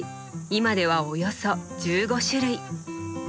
今ではおよそ１５種類。